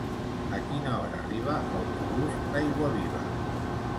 A quina hora arriba l'autobús d'Aiguaviva?